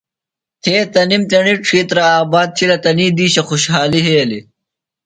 تھے تنِم تیݨی ڇِھیترہ آباد تِھیلہ۔ تنی دِیشہ خوشحالیۡ یھیلیۡ۔